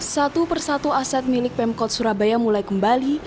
satu persatu aset milik pemkot surabaya mulai kembali